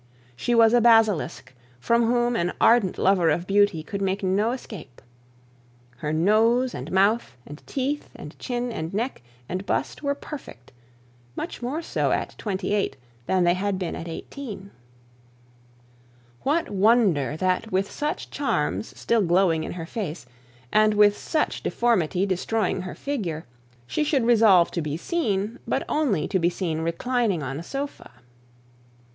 She was a basilisk from whom an ardent lover of beauty could make no escape. Her nose and mouth more so at twenty eight than they had been at eighteen. What wonder that with such charms still glowing in her face, and with such deformity destroying her figure, she should resolve to be seen, but only to be seen reclining on a sofa.